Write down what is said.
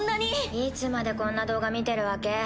いつまでこんな動画見てるわけ？